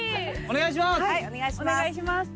お願いします！